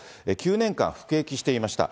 ９年間服役していました。